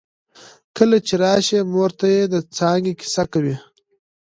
کله چې راشې مور ته يې د څانګې کیسه کوي